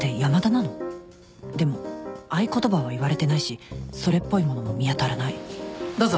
でも合言葉は言われてないしそれっぽいものも見当たらないどうぞ。